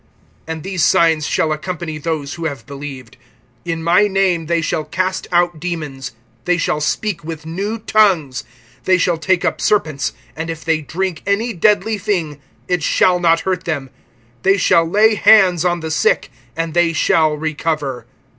(17)And these signs shall accompany those who have believed; in my name they shall cast out demons; they shall speak with new tongues; (18)they shall take up serpents; and if they drink any deadly thing, it shall not hurt them, they shall lay hands on the sick, and they shall recover.